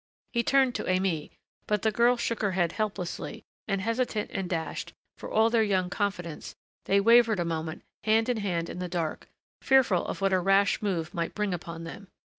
He turned to Aimée but the girl shook her head helplessly and hesitant and dashed, for all their young confidence, they wavered a moment hand in hand in the dark, fearful of what a rash move might bring upon them.